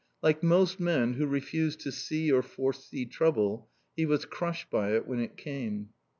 Like most men who refuse to see or foresee trouble, he was crushed by it when it came.